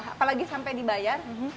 apalagi sampai dibayar